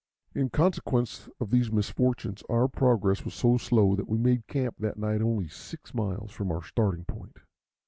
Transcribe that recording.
In consequence of these misfortunes, our progress was so slow that we made camp that night only six miles from our starting point.